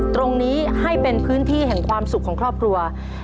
ตรงนี้ให้เป็นพื้นที่แห่งความสุขของครอบครัว